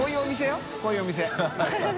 こういうお店？